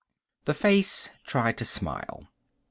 The face tried to smile.